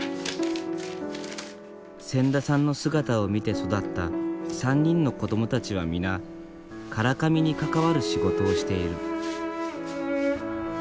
千田さんの姿を見て育った３人の子供たちは皆唐紙に関わる仕事をしている。